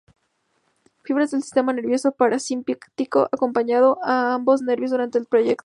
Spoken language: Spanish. Fibras del sistema nervioso parasimpático acompañan a ambos nervios durante el trayecto.